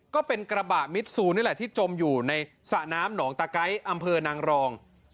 ก็เป็นกระบะมิดซูนี่แหละที่จมอยู่ในสระน้ำหนองตะไก๊อำเภอนางรอง